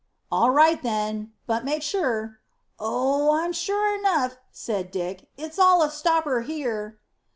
"All right, then, but make sure." "Oh, I'm sure enough," said Dick. "It's all a stopper here."